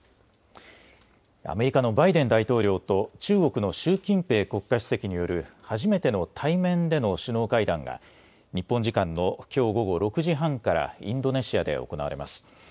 アメリカのバイデン大統領と中国の習近平国家主席による初めての対面での首脳会談が日本時間のきょう午後６時半からインドネシアで行われます。